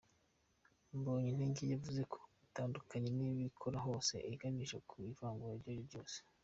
Mbonyintege yavuze ko bitandukanyije n’imikorere yose iganisha ku ivangura iryo ari ryo ryose.